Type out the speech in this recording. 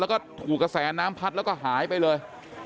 แล้วก็ถูกกระแสน้ำพัดแล้วก็หายไปเลย